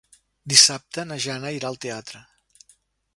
Dissabte na Jana irà al teatre.